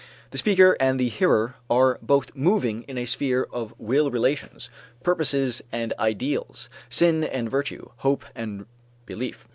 The speaker and the hearer are both moving in a sphere of will relations, purposes and ideals, sin and virtue, hope and belief.